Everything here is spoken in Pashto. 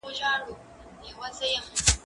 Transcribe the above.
پوښتنه وکړه،